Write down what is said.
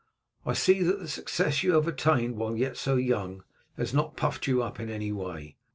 I see that the success you have attained while as yet so young has not puffed you up in any way.